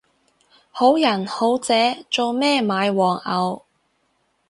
好人好姐做咩買黃牛